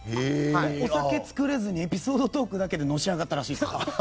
お酒作れずにエピソードトークだけでのし上がったらしいですよ。